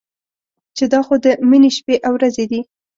چې دا خو د مني شپې او ورځې دي.